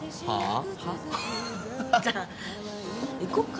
ああ。